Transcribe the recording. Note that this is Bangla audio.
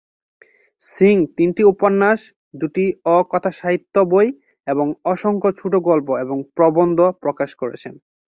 সিং তিনটি উপন্যাস, দুটি অ-কথাসাহিত্য বই এবং অসংখ্য ছোট গল্প এবং প্রবন্ধ প্রকাশ করেছেন।